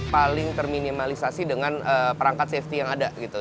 paling terminimalisasi dengan perangkat safety yang ada gitu